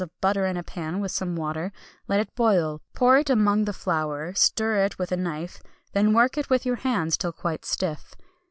of butter into a pan with some water, let it boil, pour it among the flour, stir it with a knife, then work it with your hands till quite stiff.